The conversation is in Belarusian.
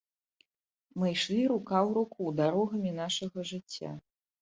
Мы ішлі рука ў руку дарогамі нашага жыцця.